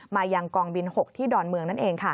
มายังกองบิน๖ที่ดอนเมืองนั่นเอง